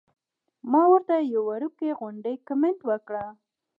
ما ورته يو وړوکے غوندې کمنټ وکړۀ -